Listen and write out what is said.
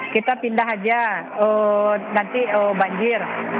kita pindah aja nanti banjir